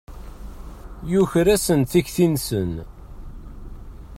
Yuker-asen tikti-nsen.